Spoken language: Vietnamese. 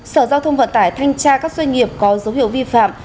sở giao thông vận tải thanh tra các doanh nghiệp có dấu hiệu vi phạm